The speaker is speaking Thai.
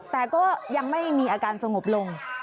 แต่ก็ยังไม่มีอาการสงบลง